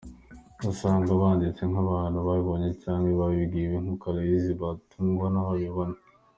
Usanga banditse nk'abantu babibonye canke babibwiwe », nikwo Aloys Batungwanayo abibona.